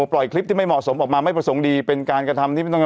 ปล่อยคลิปที่ไม่เหมาะสมออกมาไม่ประสงค์ดีเป็นการกระทำที่ไม่ต้อง